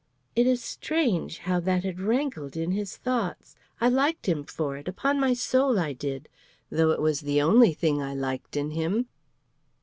It is strange how that had rankled in his thoughts. I liked him for it, upon my soul, I did, though it was the only thing I liked in him."